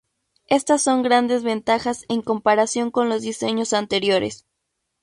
Estas son grandes ventajas en comparación con los diseños anteriores".